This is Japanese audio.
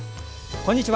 こんにちは。